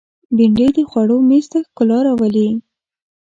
بېنډۍ د خوړو مېز ته ښکلا راولي